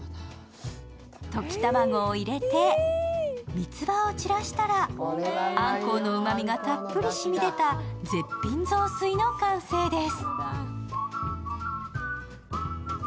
溶き卵を入れて、三つ葉を散らしたらあんこうのうまみがたっぷり染み出た絶品雑炊の完成です。